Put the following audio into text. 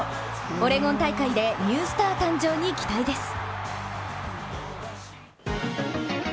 オレゴン大会でニュースター誕生に期待です。